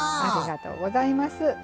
ありがとうございます。